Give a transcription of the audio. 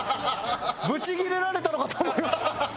ブチギレられたのかと思いました。